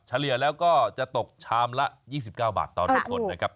เฉลี่ยแล้วก็จะตกชามละ๒๙บาทต่อทุกคนนะครับ